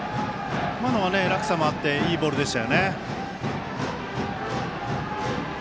今のは落差もあっていいボールでした。